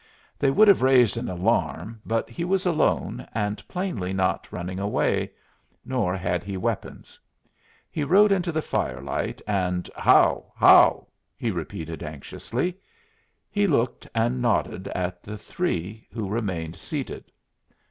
They would have raised an alarm, but he was alone, and plainly not running away. Nor had he weapons. He rode into the fire light, and "How! how!" he repeated, anxiously. He looked and nodded at the three, who remained seated.